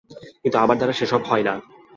কিন্তু আমার দ্বারা সেসব হয় না।